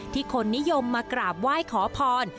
คนนิยมมากราบไหว้ขอพร